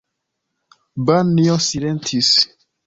Banjo silentis.